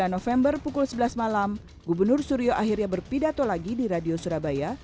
dua puluh november pukul sebelas malam gubernur suryo akhirnya berpidato lagi di radio surabaya